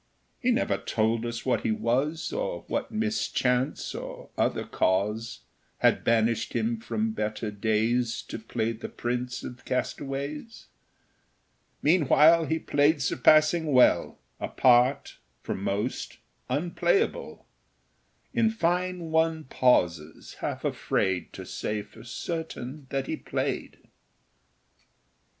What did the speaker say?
He never told us what he was, Or what mischance, or other cause, Had banished him from better days To play the Prince of Castaways. Meanwhile he played surpassing well A part, for most, unplayable; In fine, one pauses, half afraid To say for certain that he played.